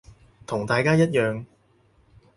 同大家一樣